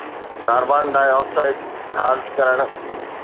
carbon dioxide خارج ڪرڻ